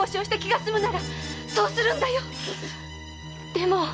でも！